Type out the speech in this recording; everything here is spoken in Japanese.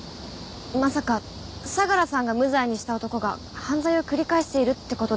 まさか相良さんが無罪にした男が犯罪を繰り返しているって事ですか？